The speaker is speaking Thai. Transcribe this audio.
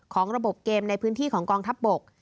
ของระบบเกมในพื้นที่ของกองทัพบก